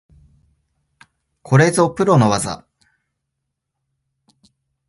これぞプロの技